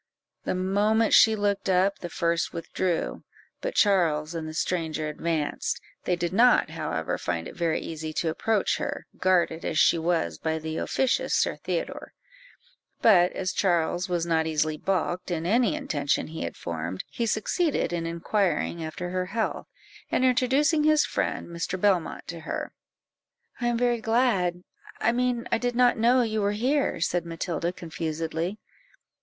The moment she looked up, the first withdrew, but Charles and the stranger advanced; they did not, however, find it very easy to approach her, guarded as she was by the officious Sir Theodore; but as Charles was not easily balked in any intention he had formed, he succeeded in inquiring after her health, and introducing his friend Mr. Belmont to her. "I am very glad I mean I did not know you were here," said Matilda confusedly.